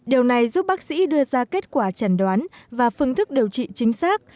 điều này giúp bác sĩ đưa ra kết quả trần đoán và phương thức điều trị chính xác